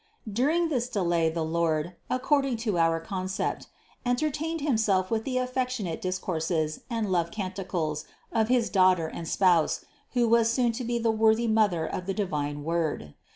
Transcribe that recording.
During this delay the Lord (according to our concept) entertained Him self with the affectionate discourses and love canticles of his Daughter and Spouse, who was soon to be the worthy Mother of the divine Word.